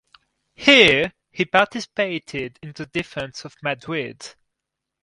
Here he participated in the defense of Madrid.